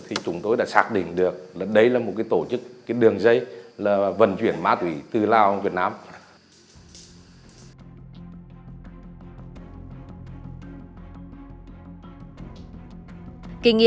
thì chúng tôi đã xác định được là đây là một cái tổ chức cái đường dây là vận chuyển ma túy